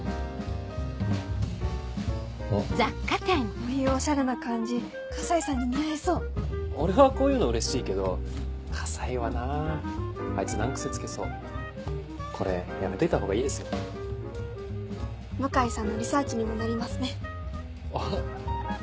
こういうオシャレな感じ河西さんに似合い俺はこういうのうれしいけど河西あいつ難癖つけそうこれやめといた方がいいですよ向井さんのリサーチにもなりますね